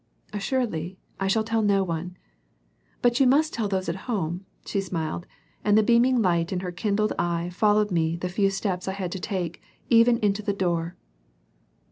"Assuredly. I shall tell no one." "But you must tell those at home," she smiled; and the beaming light in her kindled eye followed me the few steps I had to take, and even into the door.